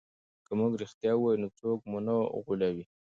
که موږ رښتیا ووایو نو څوک مو نه غولوي.